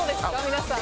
皆さん。